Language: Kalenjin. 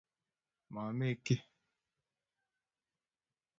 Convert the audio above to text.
mameke kiy